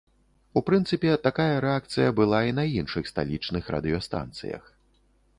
У прынцыпе, такая рэакцыя была і на іншых сталічных радыёстанцыях.